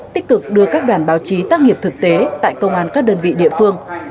tích cực đưa các đoàn báo chí tác nghiệp thực tế tại công an các đơn vị địa phương